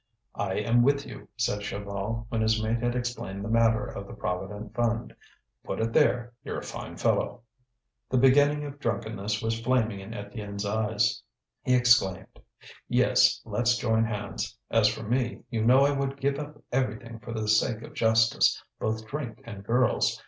"I am with you!" said Chaval, when his mate had explained the matter of the Provident Fund. "Put it there! you're a fine fellow!" The beginning of drunkenness was flaming in Étienne's eyes. He exclaimed: "Yes, let's join hands. As for me, you know I would give up everything for the sake of justice, both drink and girls.